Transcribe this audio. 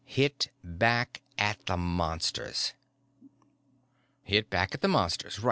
Hit back at the Monsters._" "Hit back at the Monsters.